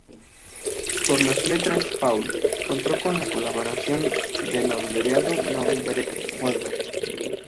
Para las letras Paul contó con la colaboración del laureado nobel Derek Walcott.